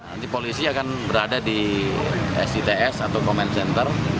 nanti polisi akan berada di sits atau command center